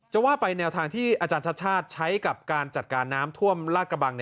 ว่าไปแนวทางที่อาจารย์ชาติชาติใช้กับการจัดการน้ำท่วมลาดกระบัง